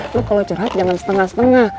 terus kalau curhat jangan setengah setengah